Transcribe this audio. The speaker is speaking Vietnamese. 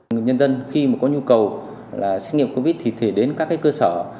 người dân dân khi có nhu cầu xét nghiệm covid một mươi chín thì thể đến các cơ sở